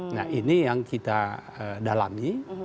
nah ini yang kita dalami